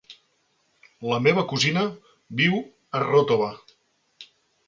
La meva cosina viu a Ròtova.